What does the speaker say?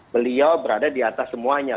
beliau berada di atas semuanya